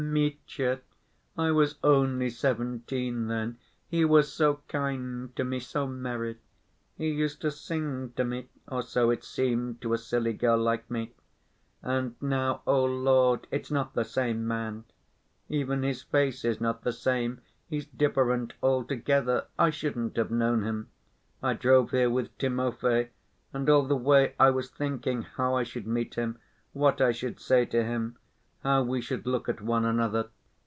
Mitya, I was only seventeen then; he was so kind to me, so merry; he used to sing to me.... Or so it seemed to a silly girl like me.... And now, O Lord, it's not the same man. Even his face is not the same; he's different altogether. I shouldn't have known him. I drove here with Timofey, and all the way I was thinking how I should meet him, what I should say to him, how we should look at one another.